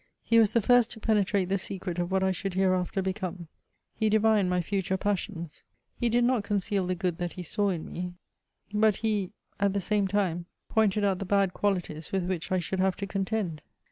He was the first to penetrate the secret of what I should hereafter become. He divined my future passions : he did not conceal the good that he saw in me ; but he, at the same time, pomted out the bad qualities with which I should have ta contend.